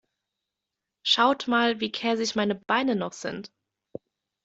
Schaut mal, wie käsig meine Beine noch sind.